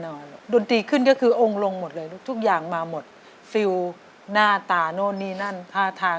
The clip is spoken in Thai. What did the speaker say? ก่อนที่คณะกรรมการจะให้คะแนนกับน้องเกรทนะครับ